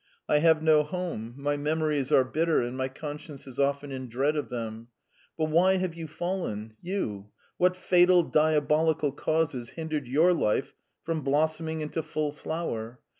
I have no home; my memories are bitter, and my conscience is often in dread of them. But why have you fallen you? What fatal, diabolical causes hindered your life from blossoming into full flower?